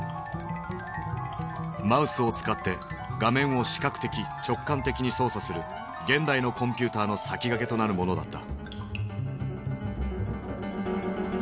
マウスを使って画面を視覚的直感的に操作する現代のコンピューターの先駆けとなるものだった。